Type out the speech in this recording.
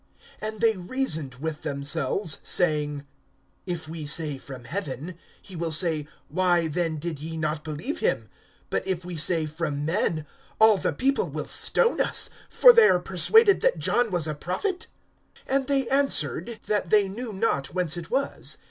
(5)And they reasoned with themselves, saying: If we say, From heaven, he will say, Why, then did ye not believe him? (6)But if we say, From men, all the people will stone us; for they are persuaded that John was a prophet. (7)And they answered, that they knew not whence it was.